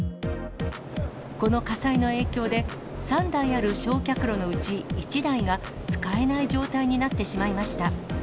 この火災の影響で、３台ある焼却炉のうち、１台が使えない状態になってしまいました。